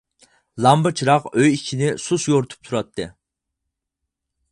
لامپا چىراغ ئۆي ئىچىنى سۇس يورۇتۇپ تۇراتتى.